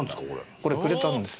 これくれたんです。